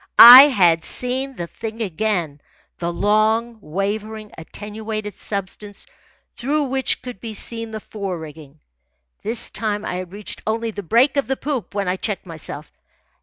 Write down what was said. I had seen the thing again, the long, wavering attenuated substance through which could be seen the fore rigging. This time I had reached only the break of the poop when I checked myself.